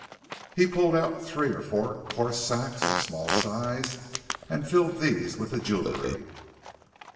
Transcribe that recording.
He pulled out three or four coarse sacks of a small size and filled these with the jewellery.